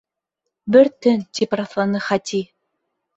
— Бер төн... — тип раҫланы Хати.